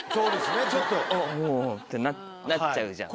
ってなっちゃうじゃん。